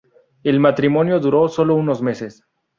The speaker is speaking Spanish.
El matrimonio duró sólo unos meses.